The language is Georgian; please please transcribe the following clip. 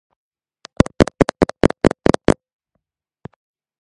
სიმღერა ასევე იქცა ვონ კარ ვაის ფილმის „სიყვარულის განწყობაზე ვარ“ სათაურად.